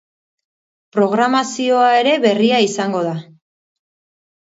Programazioa ere berria izango da.